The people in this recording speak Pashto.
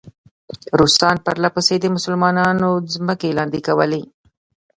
روسان پرله پسې د مسلمانانو ځمکې لاندې کولې.